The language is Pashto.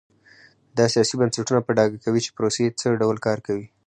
دا سیاسي بنسټونه په ډاګه کوي چې پروسې څه ډول کار کوي.